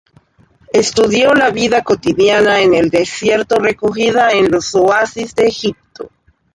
Estudió la vida cotidiana en el desierto recogida en "Los oasis de Egipto".